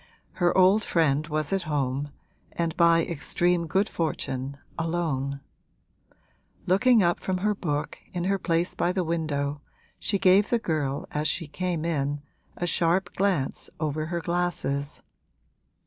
Her old friend was at home and by extreme good fortune alone; looking up from her book, in her place by the window, she gave the girl as she came in a sharp glance over her glasses.